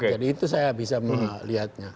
jadi itu saya bisa melihatnya